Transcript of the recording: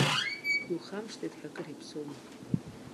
Иухамышҭит ҳәа акыр иаԥсоума?